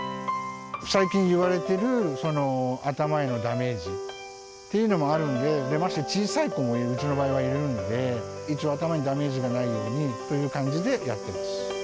最近言われている頭へのダメージというのもあるので、ましてや、小さい子も、うちの場合はいるんで、一応、頭にダメージがないようにという感じでやってます。